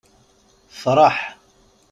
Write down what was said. Fṛeḥ!